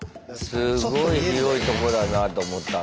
すごい広いとこだなと思った。